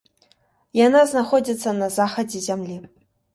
Яна знаходзіцца на захадзе зямлі.